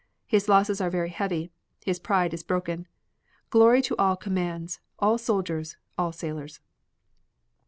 His losses are very heavy. His pride is broken. Glory to all commands, all soldiers, all sailors."